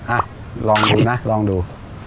อ่ะลองดูนะลองดู